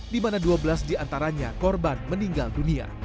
di mana dua belas diantaranya korban meninggal dunia